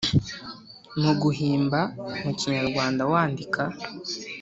Mu guhimba mu Kinyarwanda wandika